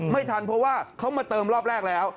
ไม่ทันเพราะว่าเขามาเติมรอบแรกแล้ว